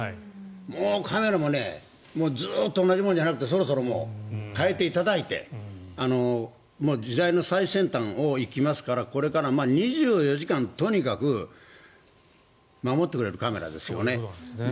もうカメラもずっと同じものじゃなくてそろそろ変えていただいて時代の最先端を行きますから２４時間とにかく守ってくれるカメラですよね。